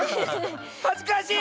はずかしい！